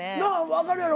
分かるやろ？